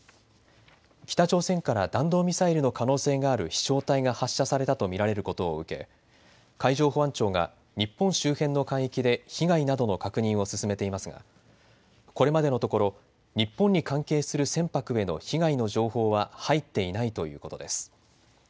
北朝鮮から弾道ミサイルの可能性がある飛しょう体が発射されたと見られることを受け海上保安庁が日本周辺の海域で被害などの確認を進めていますがこれまでのところ日本に関係する船舶への被害の情報は入っていないということです。